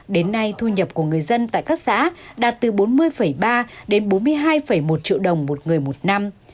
đến nay thu nhập của người dân tại các xã đạt từ bốn mươi ba đến bốn mươi hai một triệu đồng một người một năm